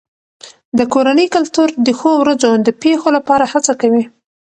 د کورنۍ کلتور د ښو ورځو د پیښو لپاره هڅه کوي.